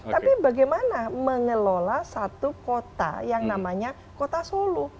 tapi bagaimana mengelola satu kota yang namanya kota solo